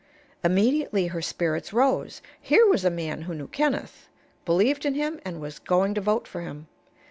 Immediately her spirits rose. Here was a man who knew Kenneth, believed in him and was going to vote for him.